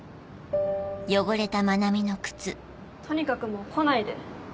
とにかくもう来ないで。